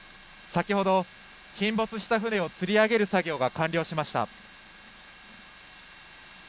先ほど沈没した船をつり上げる作業が完了しました。